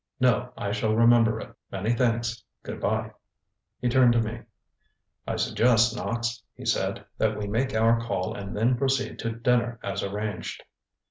No, I shall remember it. Many thanks. Good bye. ŌĆØ He turned to me. ŌĆ£I suggest, Knox, ŌĆØ he said, ŌĆ£that we make our call and then proceed to dinner as arranged.